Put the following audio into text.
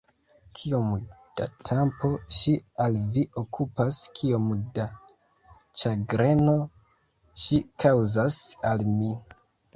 Kiom da tempo ŝi al vi okupas, kiom da ĉagreno ŝi kaŭzas al mi!